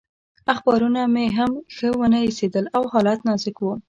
اخبارونه مې هم ښه ونه ایسېدل او حالت نازک و.